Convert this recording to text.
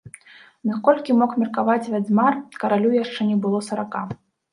Наколькі мог меркаваць вядзьмар, каралю яшчэ не было сарака.